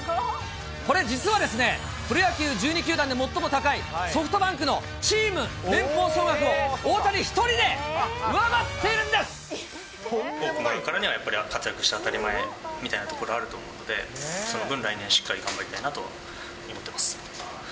これ、実はですね、プロ野球１２球団で最も高いソフトバンクのチーム年俸総額を、多くもらうからには、やっぱり活躍して当たり前みたいなところ、あると思うので、その分、来年しっかり頑張りたいなと思ってます。